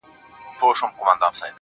چي ستا د حسن پلوشې چي د زړه سر ووهي~